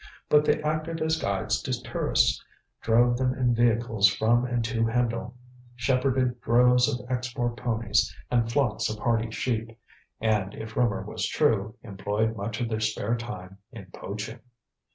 But they acted as guides to tourists, drove them in vehicles from and to Hendle, shepherded droves of Exmoor ponies, and flocks of hardy sheep, and, if rumour was true, employed much of their spare time in poaching.